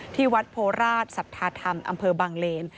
ที่วัดโพราชสัทธาธรรมอำเภอบางเลน